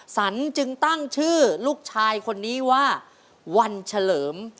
สันจึงตั้งชื่อลูกชายคนนี้ว่าวันเฉลิม